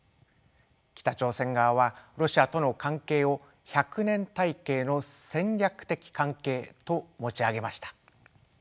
北朝鮮側はロシアとの関係を百年大計の戦略的関係と持ち上げました。